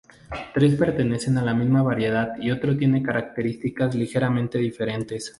Tres pertenecen a la misma variedad y otro tiene características ligeramente diferentes.